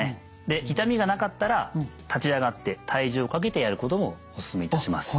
で痛みがなかったら立ち上がって体重をかけてやることもお勧めいたします。